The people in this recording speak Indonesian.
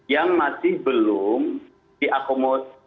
yang masih belum diakomodasi